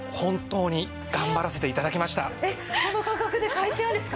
えっこの価格で買えちゃうんですか？